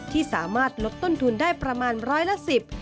ที่สามารถลดต้นทุนได้ประมาณร้อยละสิบ